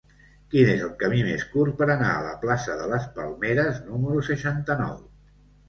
Quin és el camí més curt per anar a la plaça de les Palmeres número seixanta-nou?